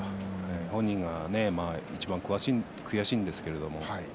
本人がいちばん悔しいんですけれど。